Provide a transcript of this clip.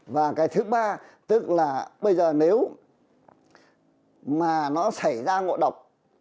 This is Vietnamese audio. và cái thứ ba tức là bây giờ nếu mà nó xảy ra ngộ độc